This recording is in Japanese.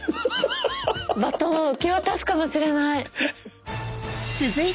バトンを受け渡すかもしれない。